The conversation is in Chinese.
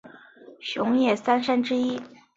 熊野三山之一。